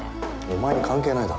お前に関係ないだろ。